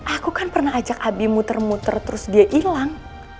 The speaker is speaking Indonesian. aku kan pernah ajak abi muter muter terus dia hilang